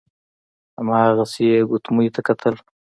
هماغسې يې ګوتميو ته کتل.